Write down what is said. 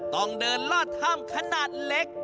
ต้องเดินลอดถ้ำขนาดเล็ก